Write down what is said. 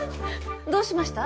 どうしました？